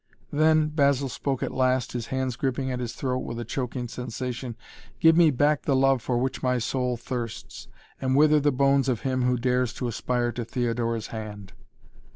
"Then," Basil spoke at last, his hands gripping his throat with a choking sensation, "give me back the love for which my soul thirsts and wither the bones of him who dares to aspire to Theodora's hand."